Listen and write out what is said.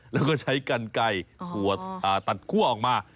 แล้วก็ใช้กันไก่ตัดคั่วออกมา